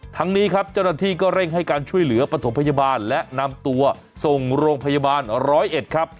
ทั้งนี้ครับเจ้าหน้าที่ก็เร่งให้การช่วยเหลือปฐมพยาบาลและนำตัวส่งโรงพยาบาลร้อยเอ็ดครับ